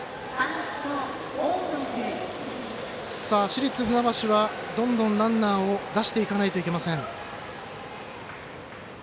市立船橋はどんどんランナーを出していかないといけません。